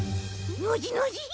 ノジノジ！